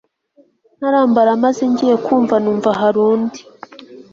ntarambara maze ngiye kumva numva hari undi